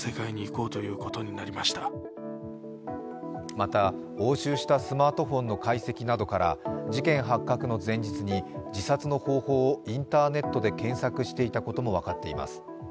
また、押収したスマートフォンの解析などから事件発覚の前日に自殺の方法をインターネットで検索していたことも分かっています。